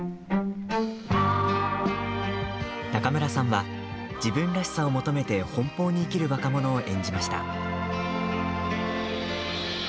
中村さんは自分らしさを求めて奔放に生きる若者を演じました。